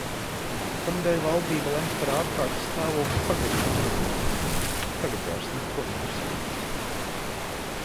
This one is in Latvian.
Nākamnedēļ valdība lems par ārkārtas stāvokļa pagarinājumu... tagad vairs neko nevar saprast.